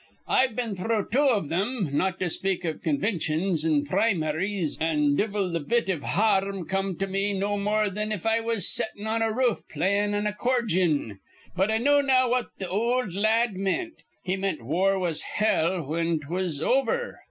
I've been through two iv thim, not to speak iv convintions an' prim'ries, an' divvle th' bit iv har rm come to me no more thin if I was settin' on a roof playin' an accorjeen. But I know now what th' ol' la ad meant. He meant war was hell whin 'twas over.